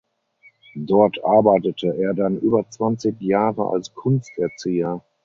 Dort arbeitete er dann über zwanzig Jahre als Kunsterzieher.